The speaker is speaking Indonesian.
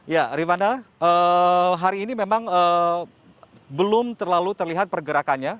ya rifana hari ini memang belum terlalu terlihat pergerakannya